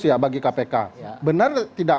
ya bagi kpk benar tidak